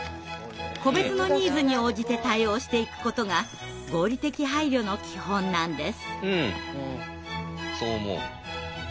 個別のニーズに応じて対応していくことが合理的配慮の基本なんです。